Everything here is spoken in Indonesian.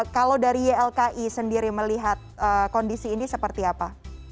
kalau dari ylki sendiri melihat kondisi ini seperti apa